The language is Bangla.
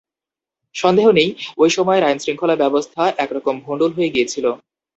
সন্দেহ নেই, ওই সময়ের আইনশৃঙ্খলা ব্যবস্থা একরকম ভন্ডুল হয়ে গিয়েছিল।